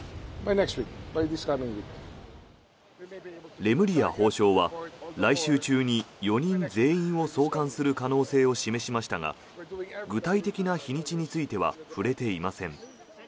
レムリヤ法相は来週中に４人全員を送還する可能性を示しましたが具体的な日にちについては触れていません。